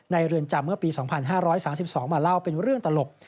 เรือนจำเมื่อปี๒๕๓๒มาเล่าเป็นเรื่องตลก